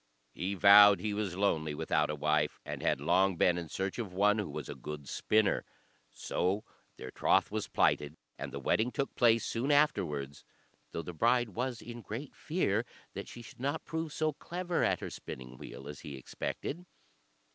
He vowed he was lonely without a wife, and had long been in search of one who was a good spinner. So their troth was plighted, and the wedding took place soon afterwards, though the bride was in great fear that she should not prove so clever at her spinning wheel as he expected.